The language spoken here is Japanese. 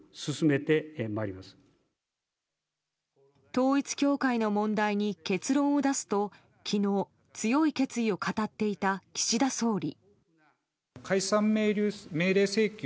統一教会の問題に結論を出すと昨日、強い決意を語っていた岸田総理。